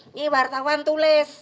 ini wartawan tulis